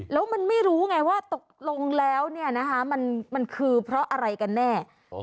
แล้วมันไม่รู้ไงว่าตกลงแล้วเนี่ยนะคะมันคือเพราะอะไรกันแน่